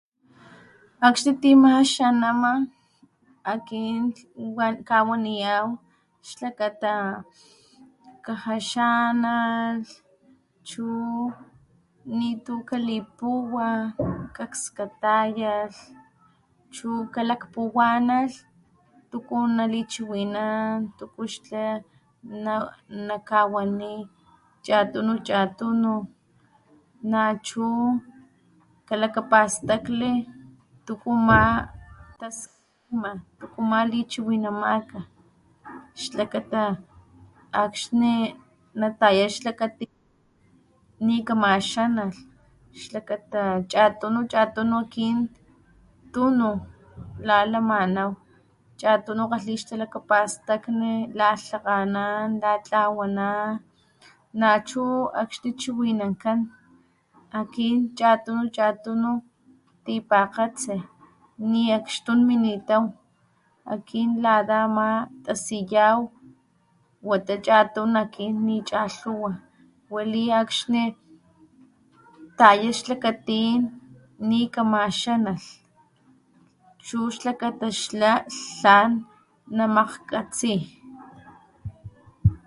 Akxni ti maxanama akin kawaniyaw xlaka kajaxanalh chu nitu kalipuwa akskatayalh chu kalakpuwanalh tuku nakawani chatunu chatunu nachu kalakapastakli tuku ama taskima tuku ama lichiwinamaka xlakata akxni nataya xlakatin nikamaxanalh xlakata chatunu akin tunu la lamanaw chatunu kgalhi xtalakapastakni lalhakganan latlawanaw nachu akxni chiwinankan akin chatunu chatunu tipakgatsi niakxtun minitaw akin lata ama tasiyaw wata chatun akin nichalhuwa wali akxni taya xlakatin nikamaxanalh chu xlakata xla tlan namakgkgatsi.